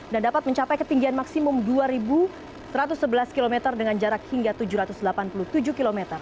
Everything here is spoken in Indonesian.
dan dapat mencapai ketinggian maksimum dua satu ratus sebelas km dengan jarak hingga tujuh ratus delapan puluh tujuh km